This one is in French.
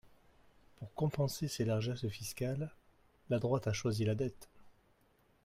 Pour compenser ses largesses fiscales, la droite a choisi la dette.